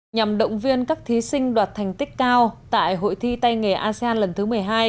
nhằm động viên các thí sinh đạt thành tích cao tại hội thi tay nghề asean lần thứ một mươi hai